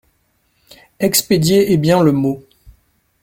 Expédiait est bien le mot.